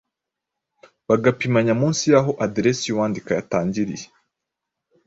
bagapimanya munsi y’aho aderesi y’uwandika yatangiriye,